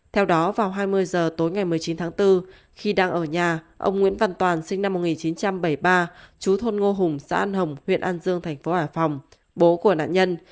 theo đó vào hai mươi h tối ngày một mươi chín tháng bốn khi đang ở nhà ông nguyễn văn toàn sinh năm một nghìn chín trăm bảy mươi ba chú thôn ngô hùng xã an hồng huyện an dương thành phố hải phòng bố của nạn nhân